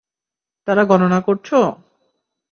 তারা গননা করছো?